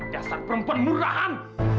dasar perempuan murahan